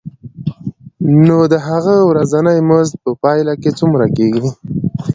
نو د هغه ورځنی مزد په پایله کې څومره کېږي